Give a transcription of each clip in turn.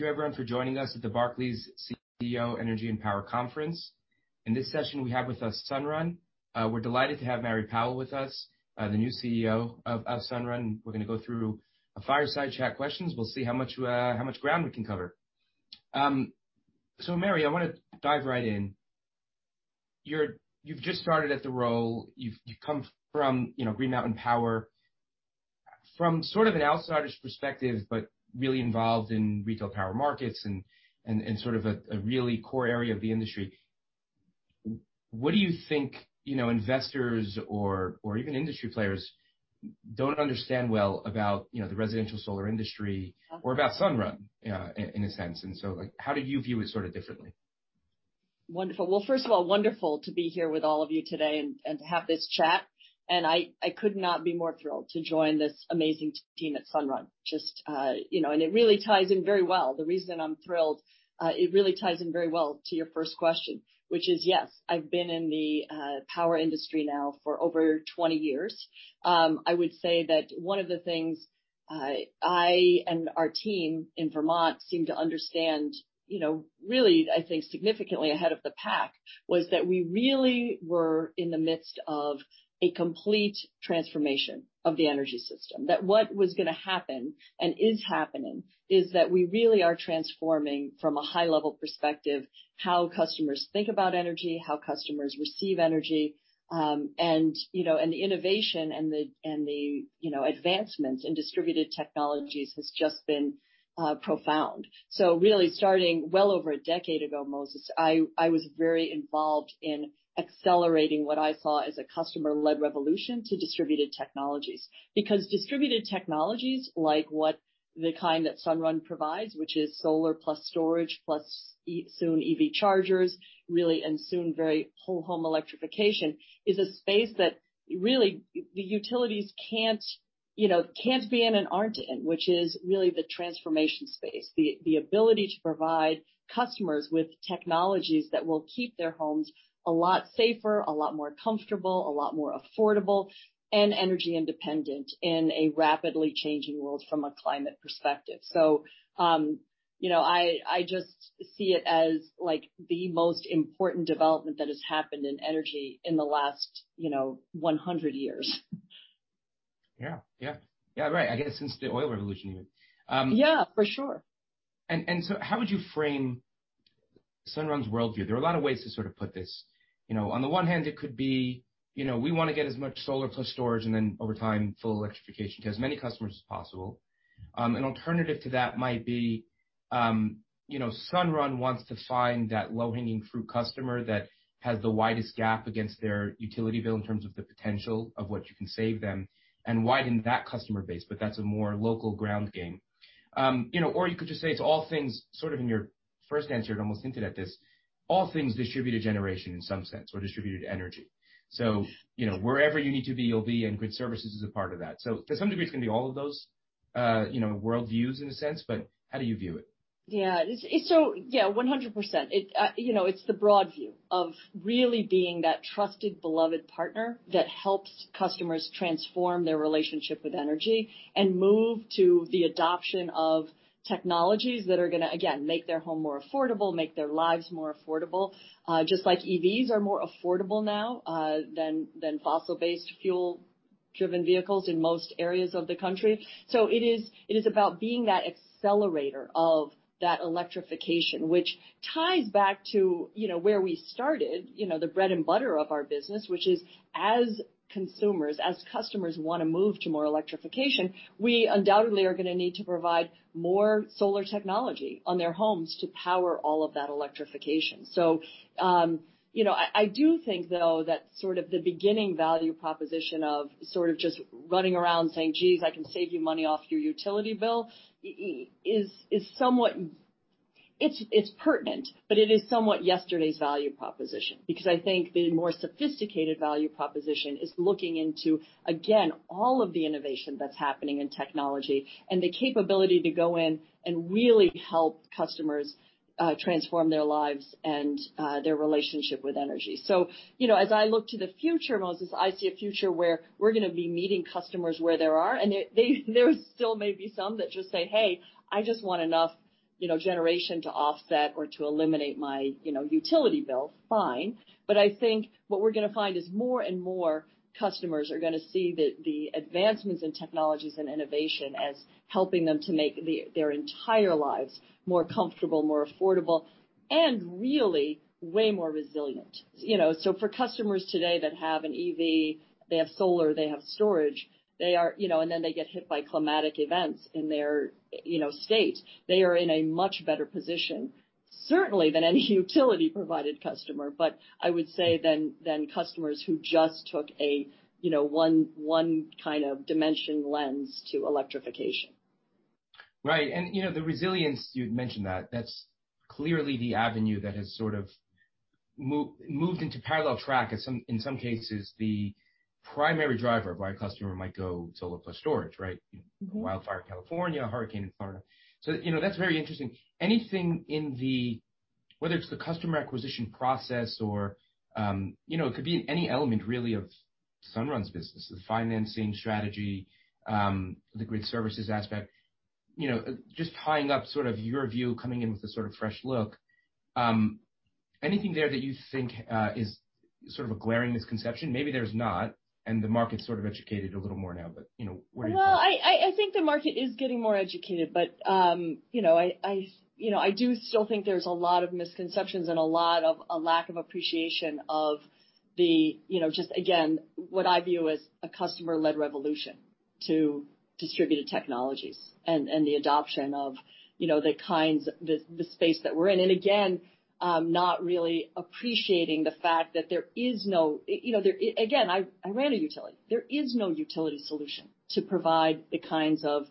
Thank you, everyone, for joining us at the Barclays CEO Energy-Power Conference. In this session, we have with us Sunrun. We're delighted to have Mary Powell with us, the new CEO of Sunrun. We're going to go through a fireside chat of questions. We'll see how much ground we can cover. So, Mary, I want to dive right in. You've just started at Sunrun. You've come from Green Mountain Power, from sort of an outsider's perspective, but really involved in retail power markets and sort of a really core area of the industry. What do you think investors or even industry players don't understand well about the residential solar industry or about Sunrun, in a sense? And so how do you view it sort of differently? Wonderful. Well, first of all, wonderful to be here with all of you today and to have this chat. And I could not be more thrilled to join this amazing team at Sunrun. And it really ties in very well. The reason I'm thrilled, it really ties in very well to your first question, which is, yes, I've been in the power industry now for over 20 years. I would say that one of the things I and our team in Vermont seem to understand really, I think, significantly ahead of the pack was that we really were in the midst of a complete transformation of the energy system. That what was going to happen and is happening is that we really are transforming, from a high-level perspective, how customers think about energy, how customers receive energy. And the innovation and the advancements in distributed technologies has just been profound. So really, starting well over a decade ago, Moses, I was very involved in accelerating what I saw as a customer-led revolution to distributed technologies. Because distributed technologies, like the kind that Sunrun provides, which is solar plus storage plus soon EV chargers, really, and soon very whole home electrification, is a space that really the utilities can't be in and aren't in, which is really the transformation space, the ability to provide customers with technologies that will keep their homes a lot safer, a lot more comfortable, a lot more affordable, and energy independent in a rapidly changing world from a climate perspective. So I just see it as the most important development that has happened in energy in the last 100 years. Yeah, yeah, yeah, right. I guess since the oil revolution even. Yeah, for sure. And so how would you frame Sunrun's worldview? There are a lot of ways to sort of put this. On the one hand, it could be we want to get as much solar plus storage and then, over time, full electrification to as many customers as possible. An alternative to that might be Sunrun wants to find that low-hanging fruit customer that has the widest gap against their utility bill in terms of the potential of what you can save them and widen that customer base. But that's a more local ground game. Or you could just say it's all things sort of in your first answer, it almost hinted at this, all things distributed generation in some sense or distributed energy. So wherever you need to be, you'll be, and grid services is a part of that. So to some degree, it's going to be all of those worldviews in a sense. But how do you view it? Yeah. So yeah, 100%. It's the broad view of really being that trusted, beloved partner that helps customers transform their relationship with energy and move to the adoption of technologies that are going to, again, make their home more affordable, make their lives more affordable, just like EVs are more affordable now than fossil-based fuel-driven vehicles in most areas of the country. So it is about being that accelerator of that electrification, which ties back to where we started, the bread and butter of our business, which is, as consumers, as customers want to move to more electrification, we undoubtedly are going to need to provide more solar technology on their homes to power all of that electrification. So I do think, though, that sort of the beginning value proposition of sort of just running around saying, "Geez, I can save you money off your utility bill," is somewhat pertinent, but it is somewhat yesterday's value proposition. Because I think the more sophisticated value proposition is looking into, again, all of the innovation that's happening in technology and the capability to go in and really help customers transform their lives and their relationship with energy. So as I look to the future, Moses, I see a future where we're going to be meeting customers where there are. And there still may be some that just say, "Hey, I just want enough generation to offset or to eliminate my utility bill." Fine. But I think what we're going to find is more and more customers are going to see the advancements in technologies and innovation as helping them to make their entire lives more comfortable, more affordable, and really way more resilient. So for customers today that have an EV, they have solar, they have storage, and then they get hit by climatic events in their state, they are in a much better position, certainly, than any utility-provided customer. But I would say then customers who just took a one-dimensional lens to electrification. Right. And the resilience, you'd mentioned that, that's clearly the avenue that has sort of moved into parallel track as, in some cases, the primary driver of why a customer might go solar plus storage, right? Wildfire in California, hurricane in Florida. So that's very interesting. Anything in the, whether it's the customer acquisition process or it could be in any element, really, of Sunrun's business, the financing strategy, the grid services aspect, just tying up sort of your view, coming in with a sort of fresh look, anything there that you think is sort of a glaring misconception? Maybe there's not, and the market's sort of educated a little more now. But what are you thinking? I think the market is getting more educated. I do still think there's a lot of misconceptions and a lack of appreciation of the, just again, what I view as a customer-led revolution to distributed technologies and the adoption of the space that we're in. Again, not really appreciating the fact that there is no, again, I ran a utility. There is no utility solution to provide the kinds of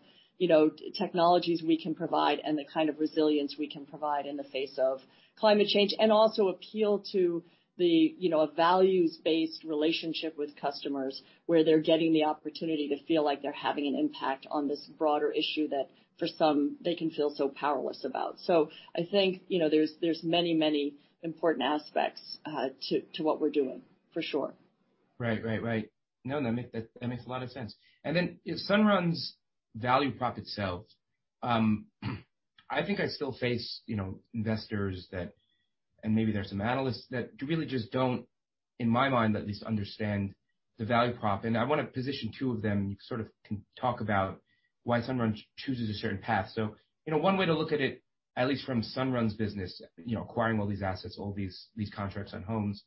technologies we can provide and the kind of resilience we can provide in the face of climate change and also appeal to a values-based relationship with customers where they're getting the opportunity to feel like they're having an impact on this broader issue that, for some, they can feel so powerless about. I think there's many, many important aspects to what we're doing, for sure. Right, right, right. No, that makes a lot of sense, and then Sunrun's value prop itself, I think I still face investors that, and maybe there are some analysts that really just don't, in my mind, at least, understand the value prop, and I want to position two of them. You sort of can talk about why Sunrun chooses a certain path, so one way to look at it, at least from Sunrun's business, acquiring all these assets, all these contracts on homes,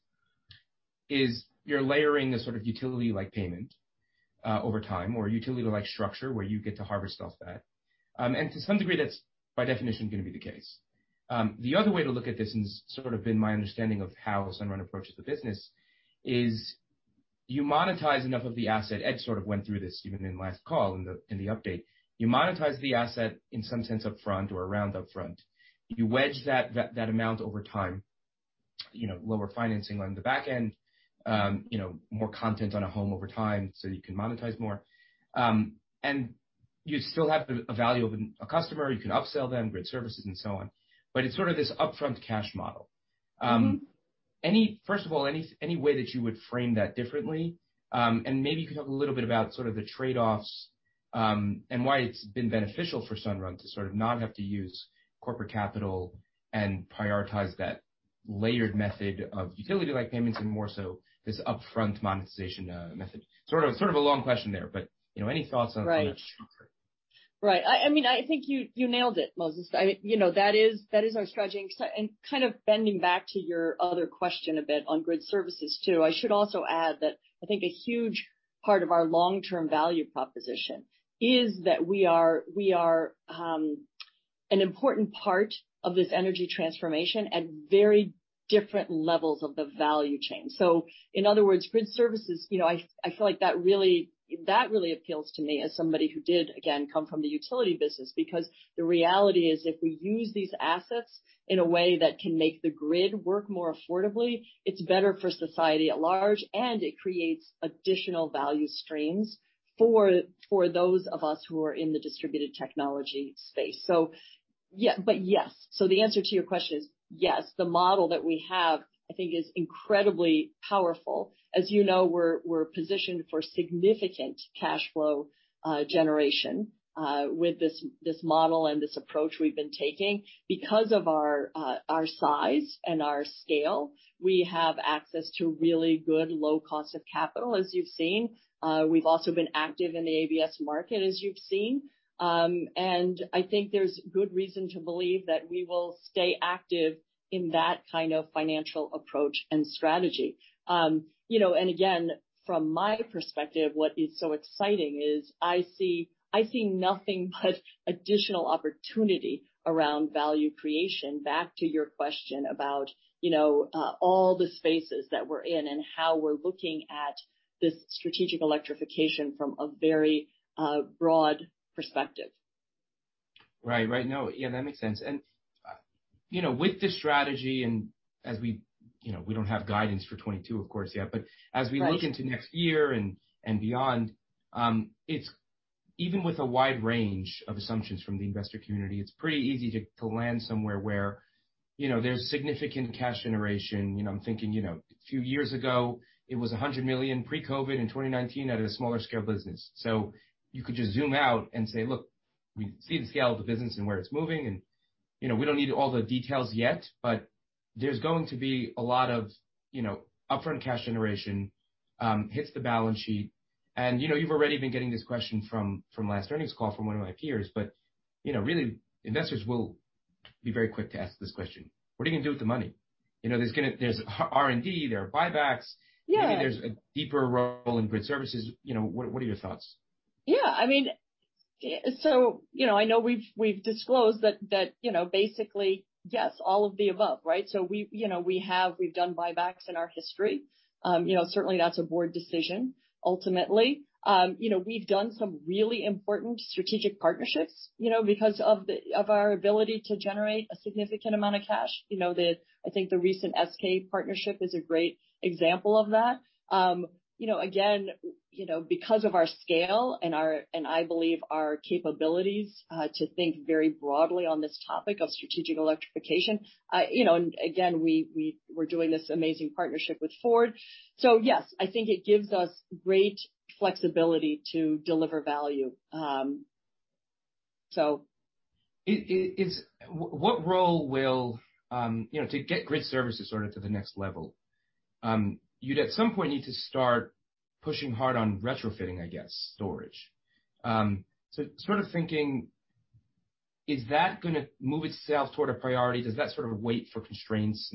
is you're layering a sort of utility-like payment over time or utility-like structure where you get to harvest off that, and to some degree, that's, by definition, going to be the case. The other way to look at this, and it's sort of been my understanding of how Sunrun approaches the business, is you monetize enough of the asset. Ed sort of went through this even in the last call in the update. You monetize the asset in some sense upfront or around upfront. You wedge that amount over time, lower financing on the back end, more content on a home over time so you can monetize more. And you still have a value of a customer. You can upsell them, grid services, and so on. But it's sort of this upfront cash model. First of all, any way that you would frame that differently? And maybe you could talk a little bit about sort of the trade-offs and why it's been beneficial for Sunrun to sort of not have to use corporate capital and prioritize that layered method of utility-like payments and more so this upfront monetization method. Sort of a long question there. But any thoughts on that structure? Right. I mean, I think you nailed it, Moses. That is our strategy. And kind of bending back to your other question a bit on grid services, too, I should also add that I think a huge part of our long-term value proposition is that we are an important part of this energy transformation at very different levels of the value chain. So in other words, grid services, I feel like that really appeals to me as somebody who did, again, come from the utility business. Because the reality is, if we use these assets in a way that can make the grid work more affordably, it's better for society at large, and it creates additional value streams for those of us who are in the distributed technology space. But yes. So the answer to your question is yes. The model that we have, I think, is incredibly powerful. As you know, we're positioned for significant cash flow generation with this model and this approach we've been taking. Because of our size and our scale, we have access to really good low cost of capital, as you've seen. We've also been active in the ABS market, as you've seen, and I think there's good reason to believe that we will stay active in that kind of financial approach and strategy, and again, from my perspective, what is so exciting is I see nothing but additional opportunity around value creation, back to your question about all the spaces that we're in and how we're looking at this strategic electrification from a very broad perspective. Right, right. No, yeah, that makes sense. And with this strategy, and as we don't have guidance for 2022, of course, yet, but as we look into next year and beyond, even with a wide range of assumptions from the investor community, it's pretty easy to land somewhere where there's significant cash generation. I'm thinking a few years ago, it was $100 million pre-COVID in 2019 at a smaller scale business. So you could just zoom out and say, "Look, we see the scale of the business and where it's moving. And we don't need all the details yet, but there's going to be a lot of upfront cash generation hits the balance sheet." And you've already been getting this question from last earnings call from one of my peers. But really, investors will be very quick to ask this question. What are you going to do with the money? There's R&D. There are buybacks. Maybe there's a deeper role in grid services. What are your thoughts? Yeah. I mean, so I know we've disclosed that, basically, yes, all of the above, right? So we've done buybacks in our history. Certainly, that's a board decision, ultimately. We've done some really important strategic partnerships because of our ability to generate a significant amount of cash. I think the recent SK partnership is a great example of that. Again, because of our scale and, I believe, our capabilities to think very broadly on this topic of strategic electrification, and again, we're doing this amazing partnership with Ford. So yes, I think it gives us great flexibility to deliver value, so. What role will, to get grid services sort of to the next level, you'd at some point need to start pushing hard on retrofitting, I guess, storage, so sort of thinking, is that going to move itself toward a priority? Does that sort of wait for constraints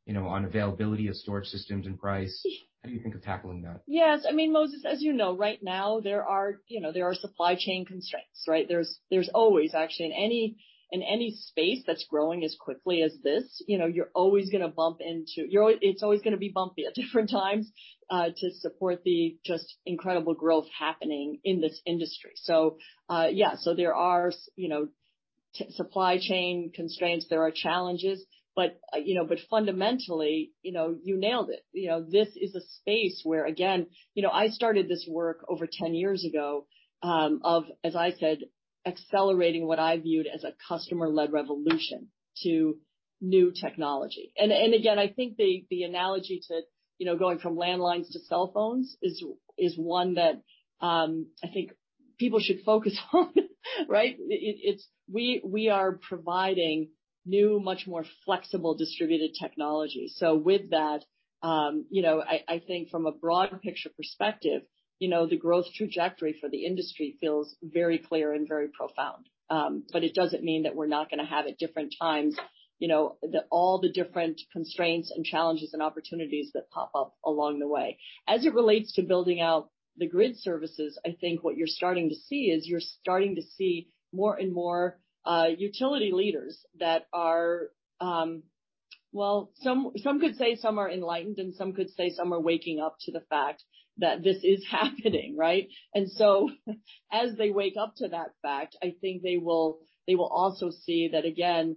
on availability of storage systems and price? How do you think of tackling that? Yes. I mean, Moses, as you know, right now, there are supply chain constraints, right? There's always, actually, in any space that's growing as quickly as this, you're always going to bump into - it's always going to be bumpy at different times to support the just incredible growth happening in this industry. So yeah, so there are supply chain constraints. There are challenges. But fundamentally, you nailed it. This is a space where, again, I started this work over 10 years ago of, as I said, accelerating what I viewed as a customer-led revolution to new technology. And again, I think the analogy to going from landlines to cell phones is one that I think people should focus on, right? We are providing new, much more flexible distributed technology. So with that, I think from a broad picture perspective, the growth trajectory for the industry feels very clear and very profound. But it doesn't mean that we're not going to have at different times all the different constraints and challenges and opportunities that pop up along the way. As it relates to building out the grid services, I think what you're starting to see is you're starting to see more and more utility leaders that are, well, some could say some are enlightened, and some could say some are waking up to the fact that this is happening, right? And so as they wake up to that fact, I think they will also see that, again,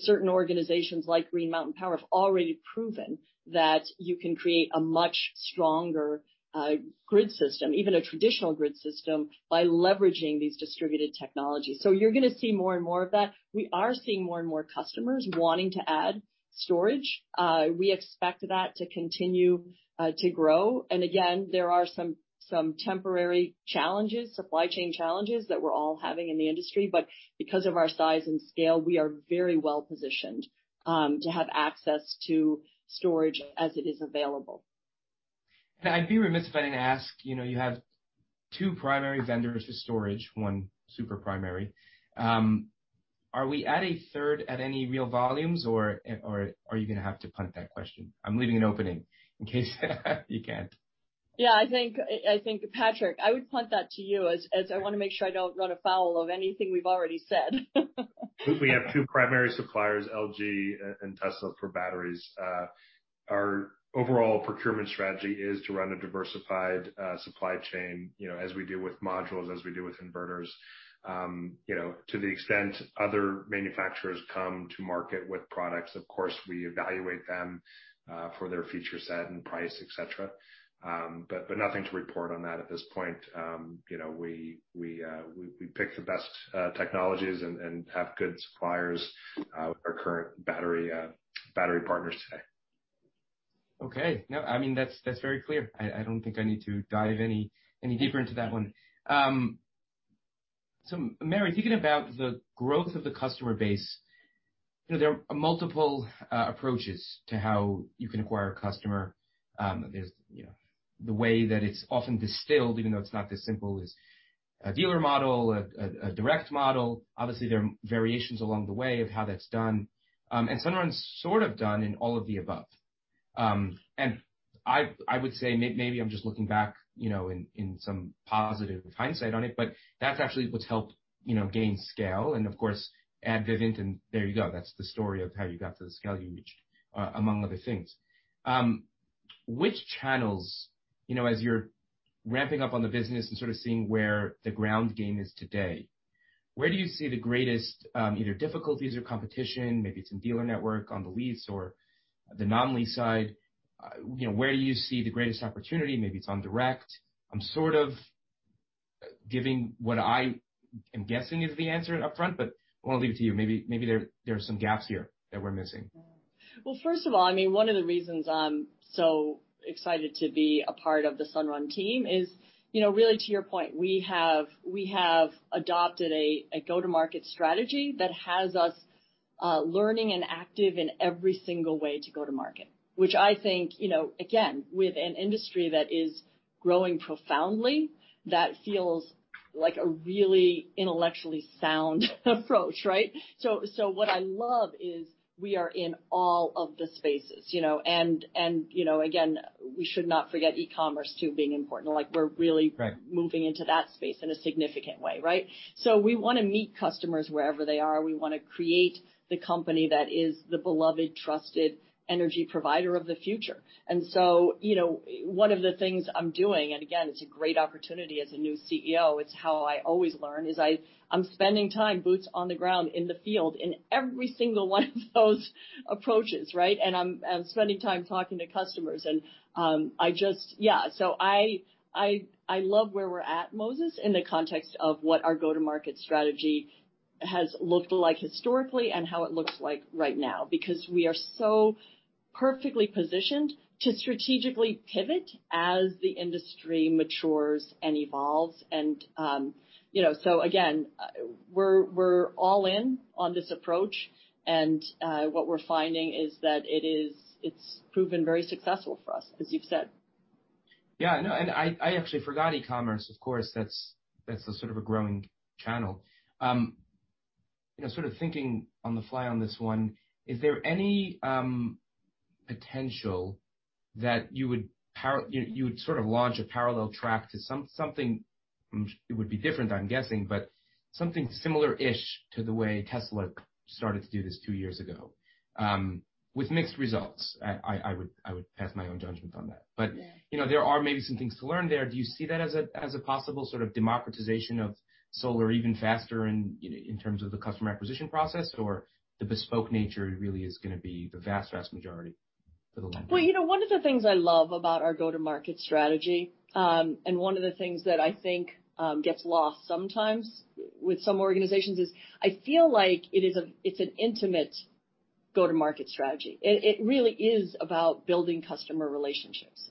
certain organizations like Green Mountain Power have already proven that you can create a much stronger grid system, even a traditional grid system, by leveraging these distributed technologies. So you're going to see more and more of that. We are seeing more and more customers wanting to add storage. We expect that to continue to grow. Again, there are some temporary challenges, supply chain challenges that we're all having in the industry. Because of our size and scale, we are very well positioned to have access to storage as it is available. I'd be remiss if I didn't ask, you have two primary vendors for storage, one super primary. Are we at a third at any real volumes, or are you going to have to punt that question? I'm leaving an opening in case you can't. Yeah. I think, Patrick, I would punt that to you as I want to make sure I don't run afoul of anything we've already said. We have two primary suppliers, LG and Tesla, for batteries. Our overall procurement strategy is to run a diversified supply chain as we do with modules, as we do with inverters. To the extent other manufacturers come to market with products, of course, we evaluate them for their feature set and price, etc. But nothing to report on that at this point. We pick the best technologies and have good suppliers with our current battery partners today. Okay. No, I mean, that's very clear. I don't think I need to dive any deeper into that one. So Mary, thinking about the growth of the customer base, there are multiple approaches to how you can acquire a customer. There's the way that it's often distilled, even though it's not this simple, is a dealer model, a direct model. Obviously, there are variations along the way of how that's done. And Sunrun's sort of done in all of the above. And I would say, maybe I'm just looking back in some positive hindsight on it, but that's actually what's helped gain scale. And of course, add Vivint, and there you go. That's the story of how you got to the scale you reached, among other things. Which channels, as you're ramping up on the business and sort of seeing where the ground game is today, where do you see the greatest either difficulties or competition? Maybe it's in dealer network on the lease or the non-lease side. Where do you see the greatest opportunity? Maybe it's on direct. I'm sort of giving what I am guessing is the answer upfront, but I want to leave it to you. Maybe there are some gaps here that we're missing. First of all, I mean, one of the reasons I'm so excited to be a part of the Sunrun team is, really, to your point, we have adopted a go-to-market strategy that has us learning and active in every single way to go to market, which I think, again, with an industry that is growing profoundly, that feels like a really intellectually sound approach, right? So what I love is we are in all of the spaces. And again, we should not forget e-commerce too being important. We're really moving into that space in a significant way, right? So we want to meet customers wherever they are. We want to create the company that is the beloved, trusted energy provider of the future. And so, one of the things I'm doing, and again, it's a great opportunity as a new CEO, it's how I always learn, is I'm spending time boots on the ground in the field in every single one of those approaches, right? And I'm spending time talking to customers. And yeah, so I love where we're at, Moses, in the context of what our go-to-market strategy has looked like historically and how it looks like right now. Because we are so perfectly positioned to strategically pivot as the industry matures and evolves. And so again, we're all in on this approach. And what we're finding is that it's proven very successful for us, as you've said. Yeah. No, and I actually forgot e-commerce. Of course, that's sort of a growing channel. Sort of thinking on the fly on this one, is there any potential that you would sort of launch a parallel track to something? It would be different, I'm guessing, but something similar-ish to the way Tesla started to do this two years ago with mixed results. I would pass my own judgment on that. But there are maybe some things to learn there. Do you see that as a possible sort of democratization of solar even faster in terms of the customer acquisition process, or the bespoke nature really is going to be the vast, vast majority for the long term? One of the things I love about our go-to-market strategy, and one of the things that I think gets lost sometimes with some organizations, is I feel like it's an intimate go-to-market strategy. It really is about building customer relationships.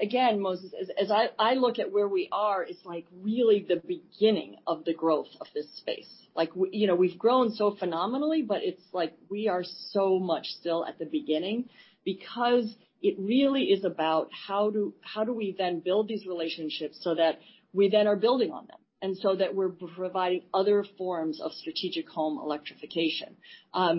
Again, Moses, as I look at where we are, it's really the beginning of the growth of this space. We've grown so phenomenally, but it's like we are so much still at the beginning because it really is about how do we then build these relationships so that we then are building on them and so that we're providing other forms of strategic home electrification. I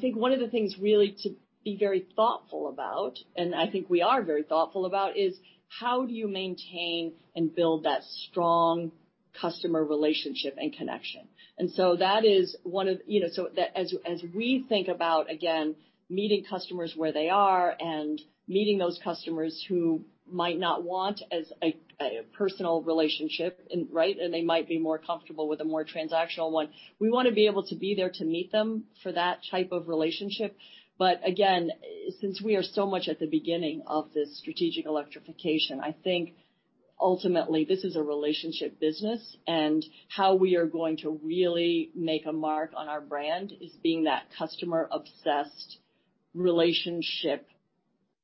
think one of the things really to be very thoughtful about, and I think we are very thoughtful about, is how do you maintain and build that strong customer relationship and connection? As we think about, again, meeting customers where they are and meeting those customers who might not want a personal relationship, right, and they might be more comfortable with a more transactional one. We want to be able to be there to meet them for that type of relationship, but again, since we are so much at the beginning of this strategic electrification, I think ultimately this is a relationship business, and how we are going to really make a mark on our brand is being that customer-obsessed relationship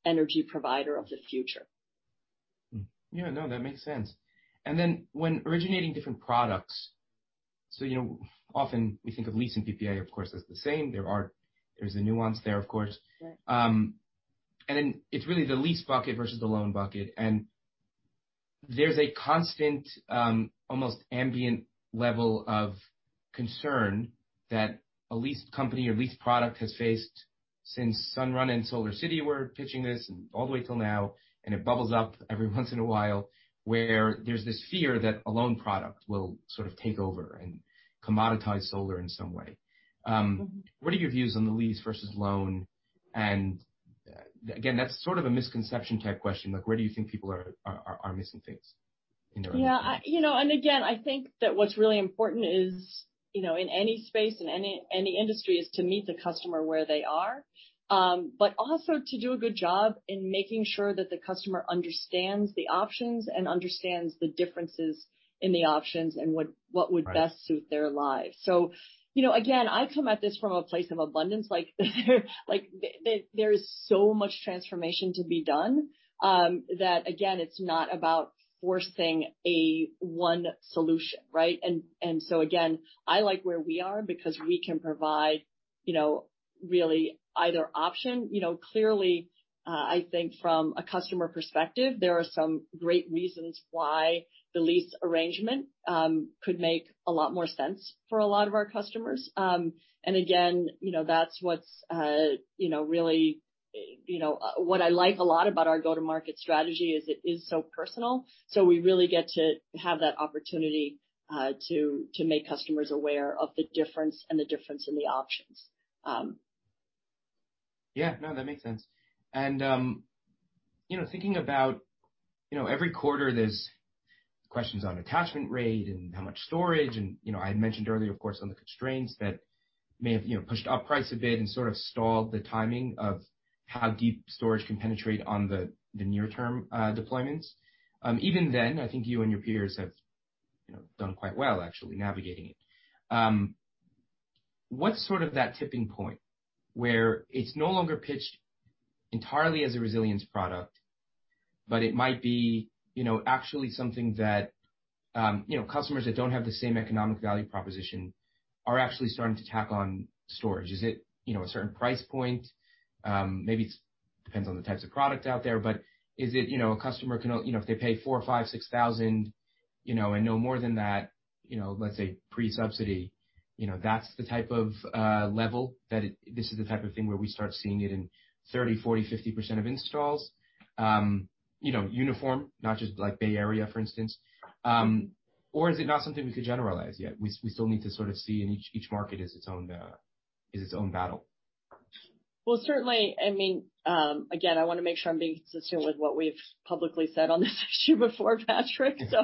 energy provider of the future. Yeah. No, that makes sense. And then when originating different products, so often we think of lease and PPA, of course, as the same. There's a nuance there, of course. And then it's really the lease bucket versus the loan bucket. And there's a constant, almost ambient level of concern that a lease company or lease product has faced since Sunrun and SolarCity were pitching this and all the way till now. And it bubbles up every once in a while where there's this fear that a loan product will sort of take over and commoditize solar in some way. What are your views on the lease versus loan? And again, that's sort of a misconception type question. Where do you think people are missing things in their own? Yeah. And again, I think that what's really important in any space, in any industry, is to meet the customer where they are, but also to do a good job in making sure that the customer understands the options and understands the differences in the options and what would best suit their lives. So again, I come at this from a place of abundance. There is so much transformation to be done that, again, it's not about forcing a one solution, right? And so again, I like where we are because we can provide really either option. Clearly, I think from a customer perspective, there are some great reasons why the lease arrangement could make a lot more sense for a lot of our customers. And again, what I like a lot about our go-to-market strategy is it is so personal. So we really get to have that opportunity to make customers aware of the difference and the difference in the options. Yeah. No, that makes sense, and thinking about every quarter, there's questions on attachment rate and how much storage, and I had mentioned earlier, of course, on the constraints that may have pushed up price a bit and sort of stalled the timing of how deep storage can penetrate on the near-term deployments. Even then, I think you and your peers have done quite well, actually, navigating it. What's sort of that tipping point where it's no longer pitched entirely as a resilience product, but it might be actually something that customers that don't have the same economic value proposition are actually starting to tack on storage? Is it a certain price point? Maybe it depends on the types of product out there. But is it a customer can, if they pay $4,000, $5,000, $6,000 and no more than that, let's say pre-subsidy, that's the type of level that this is the type of thing where we start seeing it in 30%, 40%, 50% of installs? Uniform, not just like Bay Area, for instance. Or is it not something we could generalize yet? We still need to sort of see in each market is its own battle. Certainly, I mean, again, I want to make sure I'm being consistent with what we've publicly said on this issue before, Patrick. So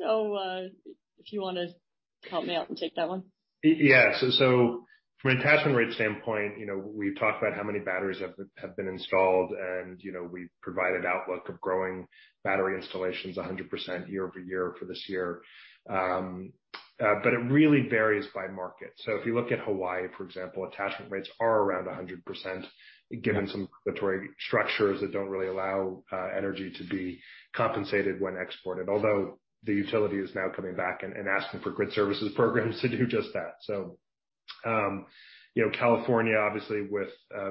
if you want to help me out and take that one. Yeah. So from an attachment rate standpoint, we've talked about how many batteries have been installed, and we've provided outlook of growing battery installations 100% year over year for this year. But it really varies by market. So if you look at Hawaii, for example, attachment rates are around 100% given some regulatory structures that don't really allow energy to be compensated when exported, although the utility is now coming back and asking for grid services programs to do just that. So California, obviously, with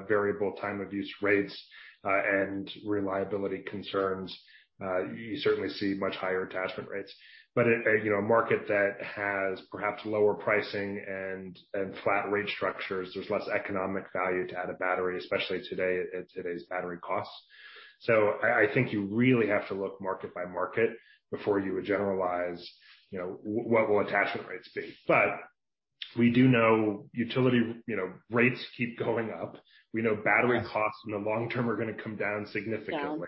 variable time of use rates and reliability concerns, you certainly see much higher attachment rates. But a market that has perhaps lower pricing and flat rate structures, there's less economic value to add a battery, especially today at today's battery costs. So I think you really have to look market by market before you would generalize what will attachment rates be? But we do know utility rates keep going up. We know battery costs in the long term are going to come down significantly.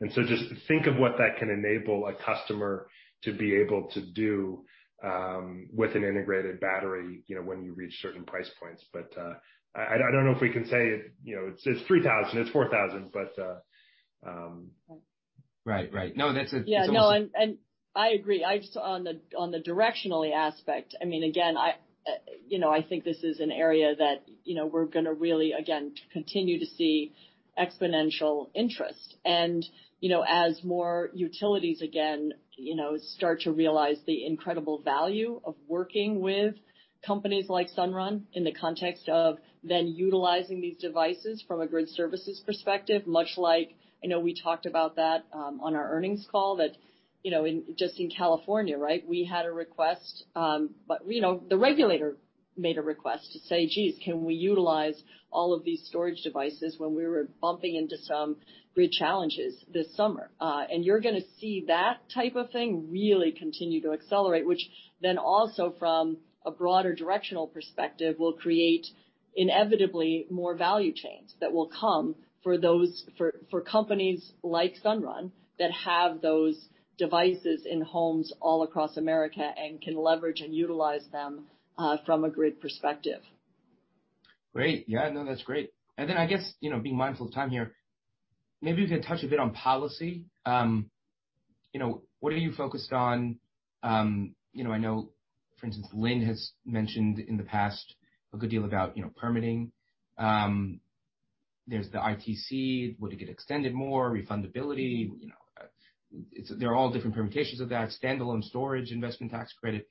And so just think of what that can enable a customer to be able to do with an integrated battery when you reach certain price points. But I don't know if we can say it's 3,000, it's 4,000, but. Right. No, that's a. Yeah. No, and I agree. On the directional aspect, I mean, again, I think this is an area that we're going to really, again, continue to see exponential interest. And as more utilities, again, start to realize the incredible value of working with companies like Sunrun in the context of then utilizing these devices from a grid services perspective, much like we talked about that on our earnings call that just in California, right? We had a request, but the regulator made a request to say, "Geez, can we utilize all of these storage devices when we were bumping into some grid challenges this summer?" and you're going to see that type of thing really continue to accelerate, which then also from a broader directional perspective will create inevitably more value chains that will come for companies like Sunrun that have those devices in homes all across America and can leverage and utilize them from a grid perspective. Great. Yeah. No, that's great and then I guess being mindful of time here, maybe we could touch a bit on policy. What are you focused on? I know, for instance, Lynn has mentioned in the past a good deal about permitting. There's the ITC, would it get extended more, refundability? There are all different permutations of that, standalone storage, investment tax credit.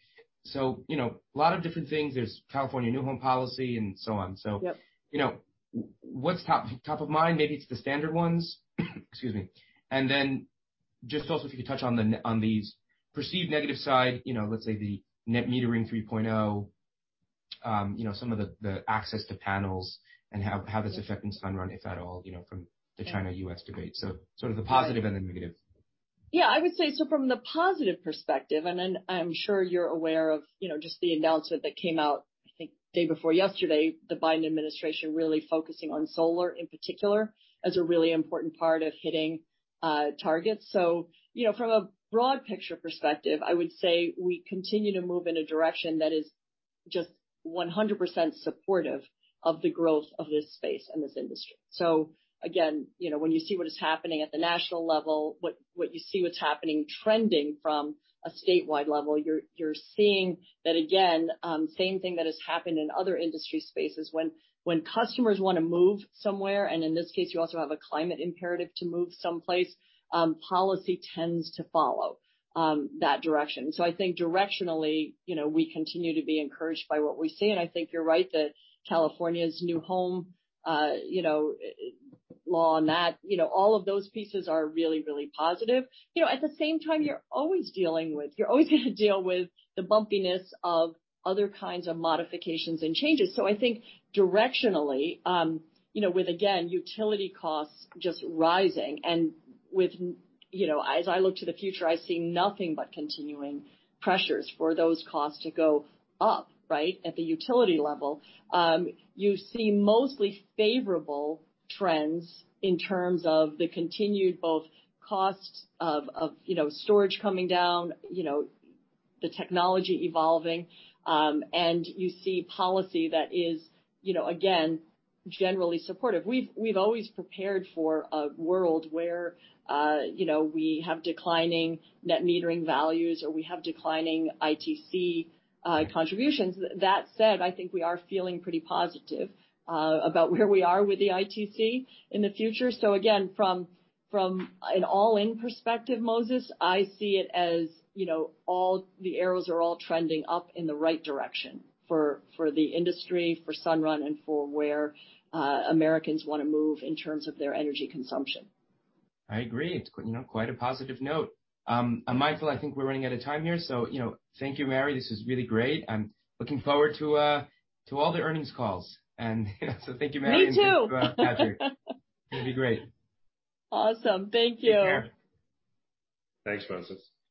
So a lot of different things. There's California new home policy and so on. So what's top of mind? Maybe it's the standard ones. Excuse me and then just also if you could touch on the perceived negative side, let's say the Net Metering 3.0, some of the access to panels and how that's affecting Sunrun, if at all, from the China-U.S. debate. So sort of the positive and the negative. Yeah. I would say so from the positive perspective, and I'm sure you're aware of just the announcement that came out, I think, the day before yesterday, the Biden administration really focusing on solar in particular as a really important part of hitting targets. So from a broad picture perspective, I would say we continue to move in a direction that is just 100% supportive of the growth of this space and this industry. So again, when you see what is happening at the national level, what you see, what's happening trending from a statewide level, you're seeing that, again, same thing that has happened in other industry spaces. When customers want to move somewhere, and in this case, you also have a climate imperative to move someplace, policy tends to follow that direction. So I think directionally, we continue to be encouraged by what we see. And I think you're right that California's new home law and that, all of those pieces are really, really positive. At the same time, you're always dealing with, you're always going to deal with the bumpiness of other kinds of modifications and changes. So I think directionally, with, again, utility costs just rising, and as I look to the future, I see nothing but continuing pressures for those costs to go up, right, at the utility level. You see mostly favorable trends in terms of the continued both costs of storage coming down, the technology evolving, and you see policy that is, again, generally supportive. We've always prepared for a world where we have declining net metering values or we have declining ITC contributions. That said, I think we are feeling pretty positive about where we are with the ITC in the future. So again, from an all-in perspective, Moses, I see it as all the arrows are all trending up in the right direction for the industry, for Sunrun, and for where Americans want to move in terms of their energy consumption. I agree. It's quite a positive note. I'm mindful I think we're running out of time here. So thank you, Mary. This was really great. I'm looking forward to all the earnings calls, and so thank you, Mary. Me too. Patrick. It'll be great. Awesome. Thank you. Take care. Thanks, Moses.